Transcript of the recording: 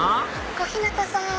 小日向さん